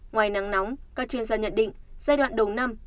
ngoài nắng nóng các chuyên gia nhận định giai đoạn đầu năm